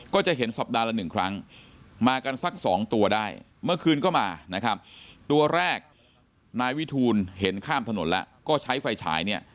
ก็จะเห็นสัปดาห์ละหนึ่งครั้งมากันสักสองตัวได้เมื่อคืนก็มานะครับตัวแรกนายวิทูลเห็นข้ามถนนแล้วก็ใช้ไฟฉายเนี่ย